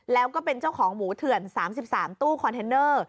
แล้วก็เป็นเจ้าของหมูเถื่อน๓๓ตู้คอนเทนเนอร์